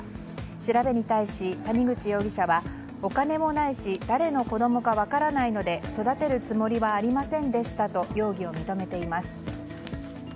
調べに対し、谷口容疑者はお金もないし誰の子供か分からないので育てるつもりはありませんでしたと容疑を認めています。